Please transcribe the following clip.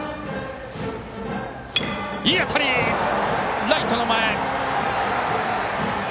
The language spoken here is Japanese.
いい当たり、ライトの前！